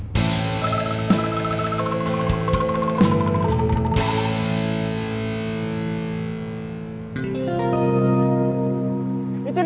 aku mau ke sana